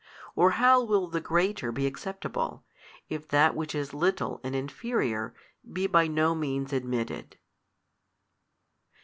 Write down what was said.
or how will the greater be acceptable, if that which is little and inferior be by no means admitted?